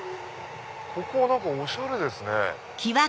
ここはおしゃれですね。